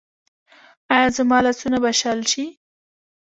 ایا زما لاسونه به شل شي؟